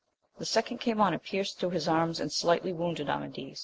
The second came on, and pierced through his arms, and slightly wounded Amadis.